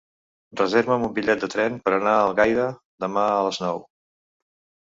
Reserva'm un bitllet de tren per anar a Algaida demà a les nou.